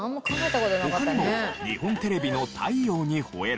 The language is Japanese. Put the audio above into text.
他にも日本テレビの『太陽にほえろ！』